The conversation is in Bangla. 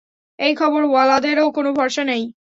এই খবর ওয়ালাদেরও কোন ভরসা নাই।